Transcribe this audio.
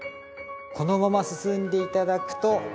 このまま進んで頂くと。